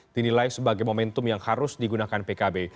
dinilai sebagai momentum yang harus digunakan pkb